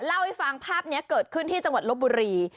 เล่าให้ฟังภาพนี้เกิดขึ้นที่จังหวัดลบบุรี